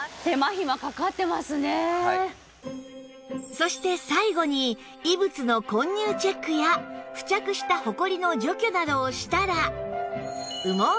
そして最後に異物の混入チェックや付着したホコリの除去などをしたら